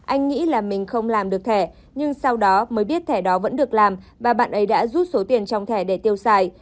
anh nghĩ là mình không làm được thẻ nhưng sau đó mới biết thẻ đó vẫn được làm và bạn ấy đã rút số tiền trong thẻ để tiêu xài